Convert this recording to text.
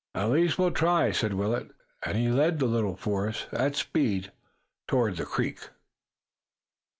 "At least, we'll try," said Willet, and he led the little force at speed toward the creek.